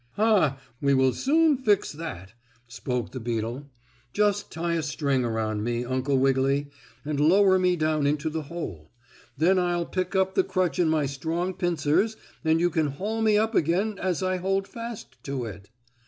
"Ha! we will very soon fix that," spoke the beetle. "Just tie a string around me, Uncle Wiggily, and lower me down into the hole. Then I'll pick up the crutch in my strong pincers, and you can haul me up again as I hold fast to it."